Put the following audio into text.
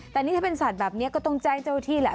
แต่นี่ถ้าเป็นสัตว์แบบนี้ก็ต้องแจ้งเจ้าที่แหละ